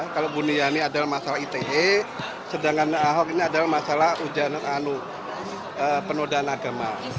kalau buniyani adalah masalah ite sedangkan ahok ini adalah masalah ujianat anu penodaan agama